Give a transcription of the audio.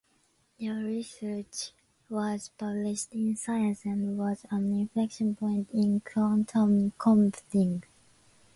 Their research was published in "Science" and was an inflection point in quantum computing.